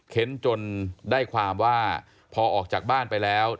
้นจนได้ความว่าพอออกจากบ้านไปแล้ว